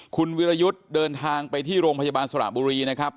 คุณวิรยุทธ์เดินทางไปที่โรงพยาบาลสระบุรีนะครับ